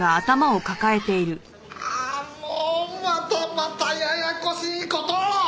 ああもうまたまたややこしい事を！